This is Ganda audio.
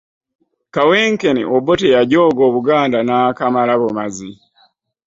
Kawenkene Obote yajooga Obuganda n'akamala bumazi.